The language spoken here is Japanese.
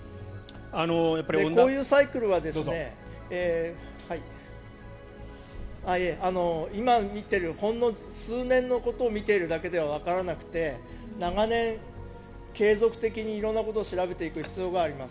こういうサイクルは今見ているほんの数年のことを見ているだけではわからなくて長年、継続的に色んなことを調べていく必要があります。